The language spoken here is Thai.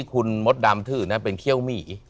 คุณมดดำถือนั้นเป็นเขี้ยวหมี่